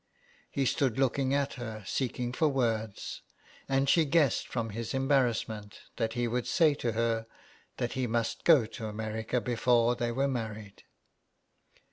^' He stood looking at her, seeking for words ; and she guessed from his embarrassment that he would say to her that he must go to America before they were married.